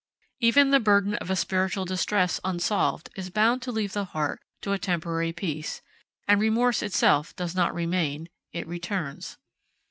Even the burden of a spiritual distress unsolved is bound to leave the heart to a temporary peace; and remorse itself does not remain it returns.